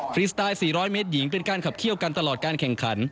รีสไตล์๔๐๐เมตรหญิงเป็นการขับเคี่ยวกันตลอดการแข่งขัน